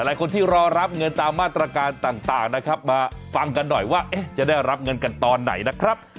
หลายคนที่รอรับเงินตามมาตรการต่างนะครับมาฟังกันหน่อยว่าจะได้รับเงินกันตอนไหนนะครับ